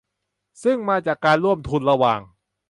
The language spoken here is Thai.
ซึ่งมาจากการร่วมทุนระหว่าง